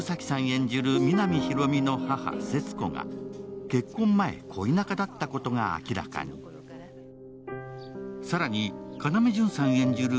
演じる皆実広見の母・勢津子が結婚前恋仲だったことが明らかにさらに要潤さん演じる